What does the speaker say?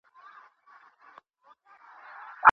ولي زیارکښ کس د مخکښ سړي په پرتله ډېر مخکي ځي؟